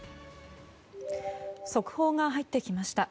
速報が入ってきました。